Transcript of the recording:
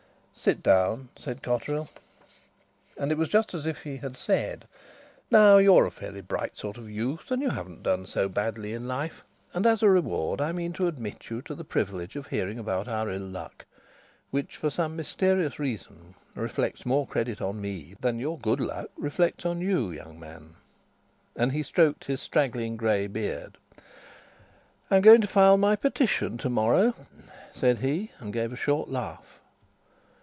"Sit down," said Cotterill. And it was just as if he had said: "Now, you're a fairly bright sort of youth, and you haven't done so badly in life; and as a reward I mean to admit you to the privilege of hearing about our ill luck, which for some mysterious reason reflects more credit on me than your good luck reflects on you, young man." And he stroked his straggling grey beard. "I'm going to file my petition to morrow," said he, and gave a short laugh.